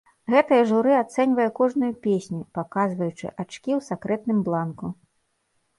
Гэтае журы ацэньвае кожную песню, паказваючы ачкі ў сакрэтным бланку.